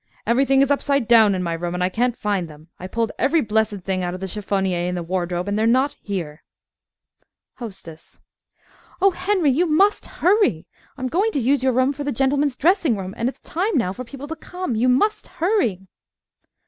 Everything is upside down in my room, and I can't find them. I pulled every blessed thing out of the chiffonier and wardrobe, and they're not there! HOSTESS Oh, Henry! You must hurry I'm going to use your room for the gentlemen's dressing room, and it's time now for people to come. You must hurry.